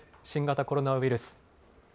新型コロナウイルス。